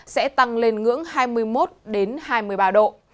sẽ tăng lên ngưỡng hai mươi một hai mươi ba độ